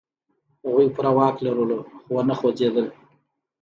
هغوی پوره واک لرلو، خو و نه خوځېدل.